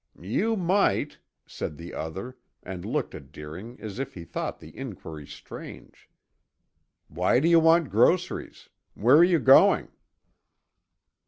"You might," said the other and looked at Deering as if he thought the inquiry strange. "Why do you want groceries? Where are you going?"